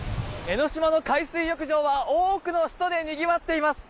江の島の海水浴場は多くの人でにぎわっています。